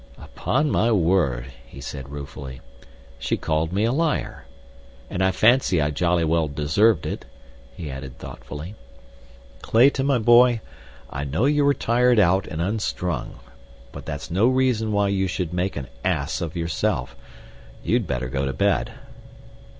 "Upon my word," he said ruefully, "she called me a liar. And I fancy I jolly well deserved it," he added thoughtfully. "Clayton, my boy, I know you are tired out and unstrung, but that's no reason why you should make an ass of yourself. You'd better go to bed."